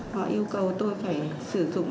họ yêu cầu tôi phải sử dụng